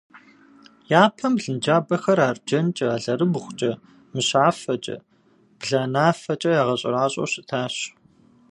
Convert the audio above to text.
Япэм блынджабэхэр арджэнкӏэ, алэрыбгъукӏэ, мыщафэкӏэ, бланафэкӏэ ягъэщӏэращӏэу щытащ.